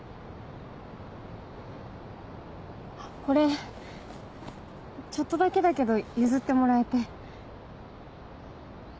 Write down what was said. これちょっとだけだけど譲ってもらえて。